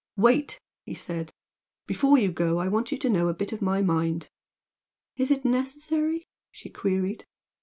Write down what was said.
"Wait!" he said "Before you go I want you to know a bit of my mind " "Is it necessary?" she queried.